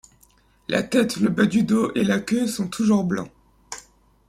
La tête, le bas du dos, et la queue sont toujours blancs.